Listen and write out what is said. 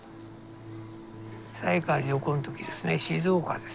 山友会の旅行の時ですね静岡です。